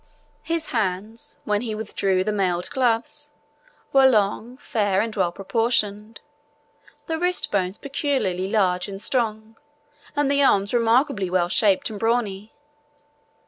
His hands, when he withdrew the mailed gloves, were long, fair, and well proportioned; the wrist bones peculiarly large and strong; and the arms remarkably well shaped and brawny.